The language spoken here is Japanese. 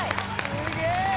・すげえ！